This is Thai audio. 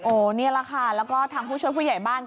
โอ้นี้ละค่ะแล้วแทยคนผู้ชมผู้ใหญ่บ้าน